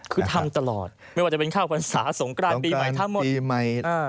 คือทำตลอดไม่ว่าจะเป็นเข้าพรรณฑาสงกราศปีใหม่ทั้งหมด